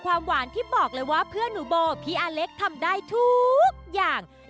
ความรักชนะทุกอย่าง